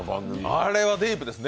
あれはディープですね